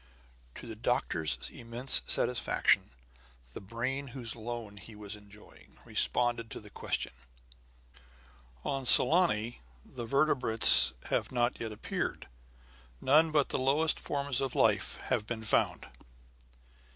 To the doctor's immense satisfaction, the brain whose loan he was enjoying responded to the question. "On Saloni, the vertebrates have not yet appeared. None but the lowest forms of life have been found."